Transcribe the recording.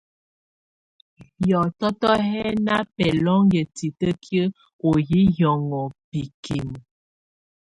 Hiɔtɔtɔ hɛ na bɛlɔnŋɔtɛ titəkiə ɔ hi hiɔnŋɔ bikimə.